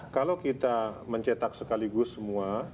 kalau kita mencetak sekaligus semua